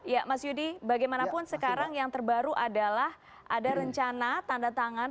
ya mas yudi bagaimanapun sekarang yang terbaru adalah ada rencana tanda tangan